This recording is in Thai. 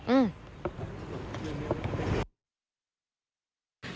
อืม